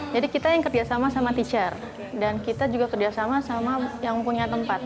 jadi kita yang kerjasama sama teacher dan kita juga kerjasama sama yang punya tempat